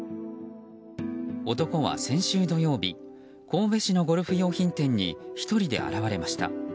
男は先週土曜日神戸市のゴルフ用品店に１人で現れました。